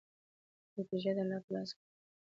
نتیجه د الله په لاس کې ده.